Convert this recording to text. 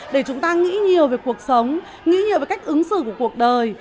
để chúng ta nghĩ nhiều về cuộc sống nghĩ nhiều về cách ứng xử của cuộc đời